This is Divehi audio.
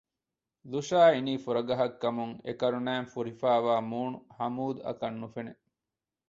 ލުޝާ އިނީ ފުރަގަހަށް ކަމުން އެ ކަރުނައިން ފުރިފައިވާ މޫނު ހަމޫދް އަކަށް ނުފެނެ